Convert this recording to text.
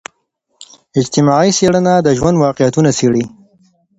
اجتماعي څېړنه د ژوند واقعتونه څیړي.